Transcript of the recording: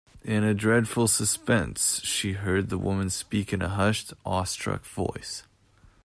In a dreadful suspense she heard the woman speak in a hushed, awestruck voice.